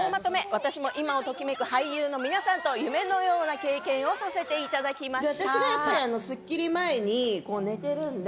私も今をときめく俳優さんと夢のような経験をさせていただきました。